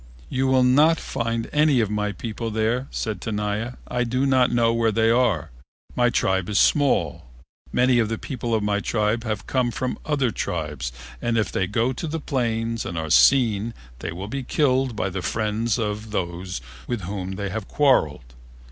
"You will not find any of my people there," said Tenaya; "I do not know where they are. My tribe is small. Many of the people of my tribe have come from other tribes and if they go to the plains and are seen they will be killed by the friends of those with whom they have quarreled.